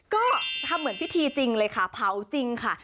ก็ทำเหมือนพิธีจริงเลยค่ะเผาจริงค่ะ